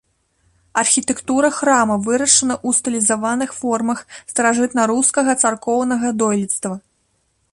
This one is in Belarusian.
Архітэктура храма вырашана ў стылізаваных формах старажытнарускага царкоўнага дойлідства.